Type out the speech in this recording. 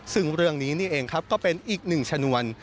ซึ่งเรื่องนี้นี่เองครับก็เป็นอีกหนึ่งชนวน